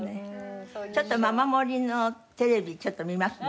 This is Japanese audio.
ちょっとママ森のテレビちょっと見ますね。